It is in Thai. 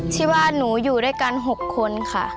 ที่บ้านหนูอยู่ด้วยกัน๖คนค่ะ